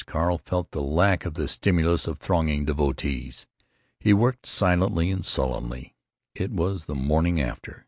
Carl felt the lack of the stimulus of thronging devotees. He worked silently and sullenly. It was "the morning after."